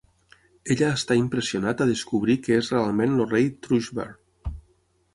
Ella està impressionat a descobrir que és realment el rei Thrushbeard.